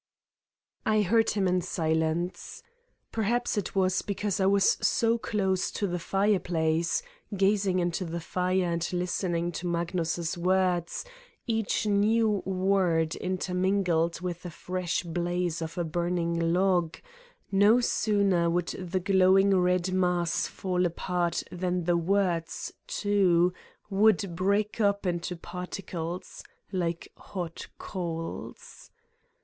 I heard him in silence. Perhaps it was because I was so close to the fireplace, gazing into the fire and listening to Magnus's words, each new word intermingled with a fresh blaze of a burning log ; no sooner would the glowing red mass fall apart than the words, too, would break up into par ticles, like hot coals.